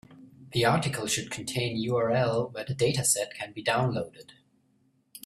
The article should contain URL where the dataset can be downloaded.